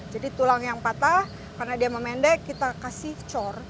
jadi tulang yang patah karena dia memendek kita kasih cor